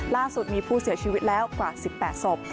ล่าสุดมีผู้เสียชีวิตแล้วกว่า๑๘ศพ